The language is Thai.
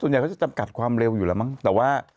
เขาจะจำกัดความเร็วอยู่แล้วมั้งแต่ว่า